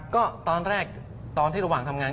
ก็ตอนแรกตอนที่ระหว่างทำงาน